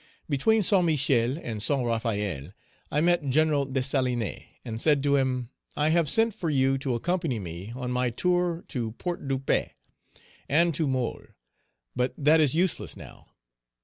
Between St. Michel and St. Raphaël, I met Gen. Dessalines and said to him, "I have sent for you to accompany me on my tour to Port de Paix, and to Môle; but that is useless now.